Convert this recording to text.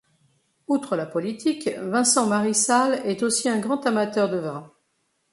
Outre la politique, Vincent Marissal est aussi un grand amateur de vin.